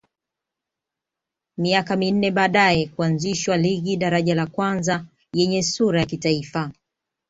Miaka minne baadae kuanzishwa ligi daraja la kwanza yenye sura ya kitaifa